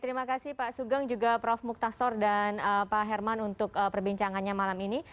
terima kasih pak sugeng juga prof muktasor dan pak herman untuk perbincangannya malam ini